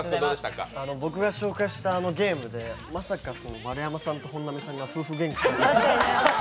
僕が紹介したゲームでまさか丸山さんと本並さんが夫婦げんかするとは。